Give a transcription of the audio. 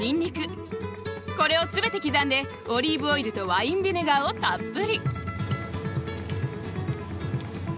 これを全て刻んでオリーブオイルとワインビネガーをたっぷり。